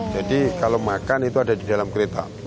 jadi kalau makan itu ada di dalam kereta